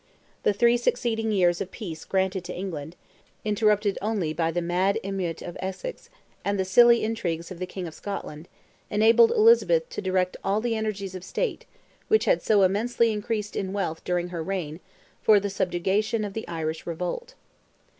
The three succeeding years of peace granted to England—interrupted only by the mad emeute of Essex, and the silly intrigues of the King of Scotland—enabled Elizabeth to direct all the energies of the State, which had so immensely increased in wealth during her reign, for the subjugation of the Irish revolt.